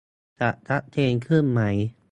จะชัดเจนขึ้นไหม ?